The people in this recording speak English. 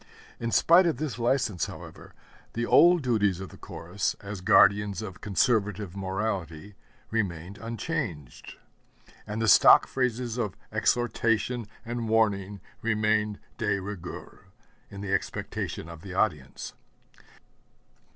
In spite of this license, however, the old duties of the Chorus as guardians of conservative morality remained unchanged; and the stock phrases of exhortation and warning remained de rigueur in the expectation of the audience.